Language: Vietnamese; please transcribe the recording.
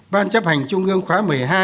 ban chấp hành trung ương khóa một mươi hai